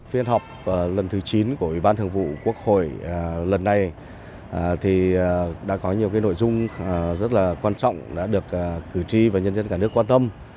phiên họp lần thứ chín của ủy ban thường vụ quốc hội lần này thì đã có nhiều nội dung rất là quan trọng đã được cử tri và nhân dân cả nước quan tâm